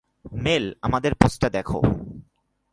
Mail, আমাদের পোস্টটা দেখ।